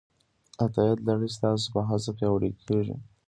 د تایید لړۍ ستاسو په هڅه پیاوړې کېږي.